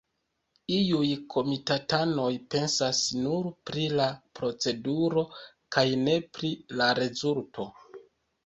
Iuj komitatanoj pensas nur pri la proceduro kaj ne pri la rezulto.